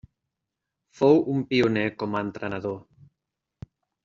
Fou un pioner com a entrenador.